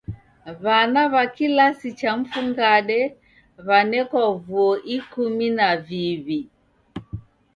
W'ana w'a kilasi cha mfungade w'anekwa vuo ikumi na viw'i.